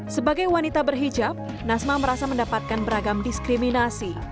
sebagai wanita berhijab nasma merasa mendapatkan beragam diskriminasi